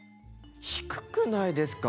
低くないですか？